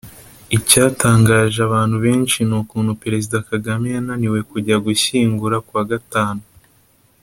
Icyatangaje abantu benshi n’ukuntu Perezida Kagame yananiwe kujya gushyingura ku wa gatanu